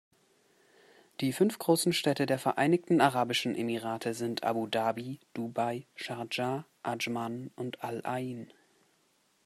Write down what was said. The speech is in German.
Die fünf großen Städte der Vereinigten Arabischen Emirate sind Abu Dhabi, Dubai, Schardscha, Adschman und Al-Ain.